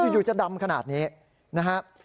อยู่จะดำขนาดนี้นะครับ